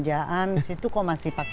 dulu berarti apa di palace